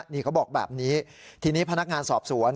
นี่เขาบอกแบบนี้ทีนี้พนักงานสอบสวน